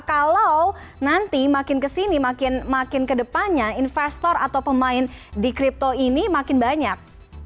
kalau nanti makin ke sini makin ke depannya investor atau pemain di kripto ini makin banyak